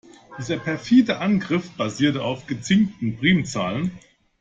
Dieser perfide Angriff basiert auf gezinkten Primzahlen.